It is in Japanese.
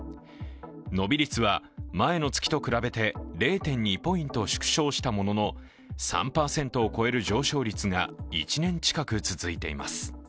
伸び率は前の月と比べて０．２ポイント縮小したものの３％を超える上昇率が１年近く続いています。